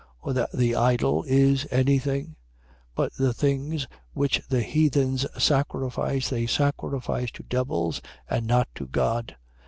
Or that the idol is any thing? 10:20. But the things which the heathens sacrifice, they sacrifice to devils and not to God.